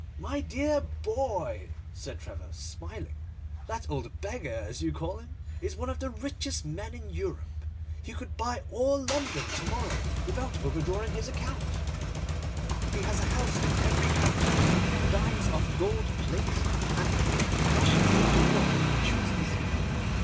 'My dear boy,' said Trevor, smiling, 'that old beggar, as you call him, is one of the richest men in Europe. He could buy all London to morrow without overdrawing his account. He has a house in every capital, dines off gold plate, and can prevent Russia going to war when he chooses.